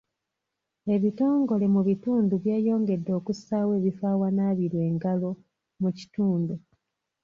Ebitongole mu bitundu byeyongedde okussaawo ebifo ewanaabirwa engalo mu kitundu.